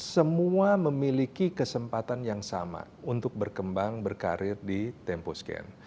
semua memiliki kesempatan yang sama untuk berkembang berkarir di tempo scan